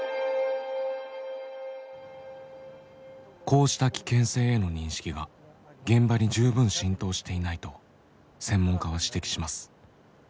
こうした危険性への認識が現場に十分浸透していないと専門家は指摘します。